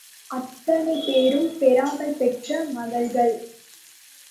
அத்தனை பேரும் பெறாமல் பெற்ற மகள்கள்.